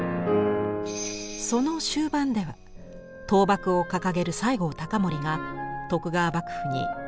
その終盤では倒幕を掲げる西郷隆盛が徳川幕府に大政奉還を迫ります。